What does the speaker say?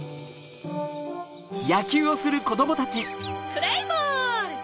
プレーボール。